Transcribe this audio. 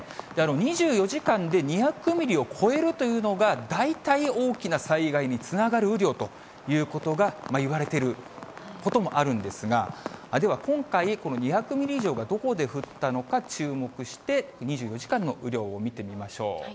２４時間で２００ミリを超えるというのが、大体大きな災害につながる雨量ということがいわれていることもあるんですが、では今回、この２００ミリ以上がどこで降ったのか、注目して、２４時間の雨量を見てみましょう。